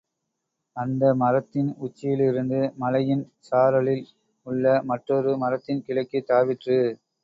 அந்த மரத்தின் உச்சியிலிருந்து மலையின் சாரலில் உள்ள மற்றொரு மரத்தின் கிளைக்குத் தாவிற்று.